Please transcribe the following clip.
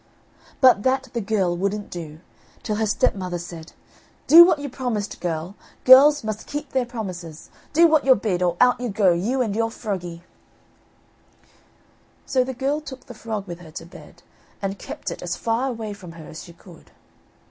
But that the girl wouldn't do, till her stepmother said: "Do what you promised, girl; girls must keep their promises. Do what you're bid, or out you go, you and your froggie." So the girl took the frog with her to bed, and kept it as far away from her as she could.